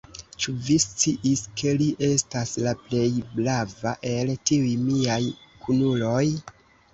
Ĉu vi sciis, ke li estas la plej brava el tiuj miaj kunuloj?